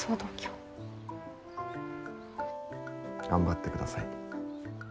頑張ってください。